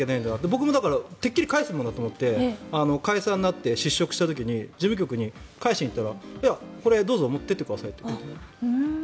僕もだから、てっきり返すものだと思って解散になって失職した時に事務局に返しに行ったらどうぞ持って帰ってくださいって。